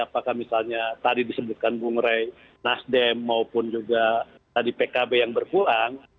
apakah misalnya tadi disebutkan bung rey nasdem maupun juga tadi pkb yang berkurang